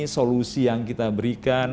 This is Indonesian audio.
solusi yang kita berikan